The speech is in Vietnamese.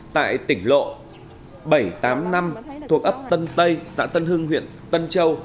tại tỉnh lộ bảy trăm tám mươi năm thuộc ấp tân tây xã tân hưng huyện tân châu